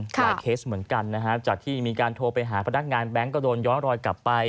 เคสเหมือนกันนะครับจากที่มีการโทรไปหาพนักงานแบงค์ก็โดนย้อนรอยกลับไป